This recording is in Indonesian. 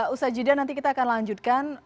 usha jidah nanti kita akan lanjutkan